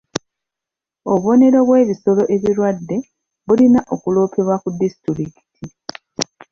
Obubonero bw'ebisolo ebirwadde bulina okuloopebwa ku disitulikiti.